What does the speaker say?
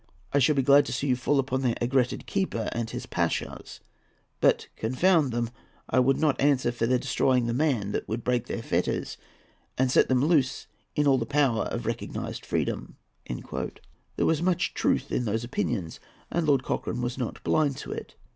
I shall be glad to see them fall upon their aigretted keeper and his pashas; but, confound them! I would not answer for their destroying the man that would break their fetters and set them loose in all the power of recognised freedom." There was much truth in those opinions, and Lord Cochrane was not blind to it.